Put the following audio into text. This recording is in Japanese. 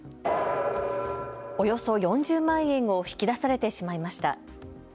およそ４０万円を引き出されてしまいました。